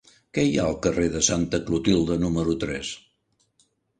Què hi ha al carrer de Santa Clotilde número tres?